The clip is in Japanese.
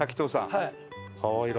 はい。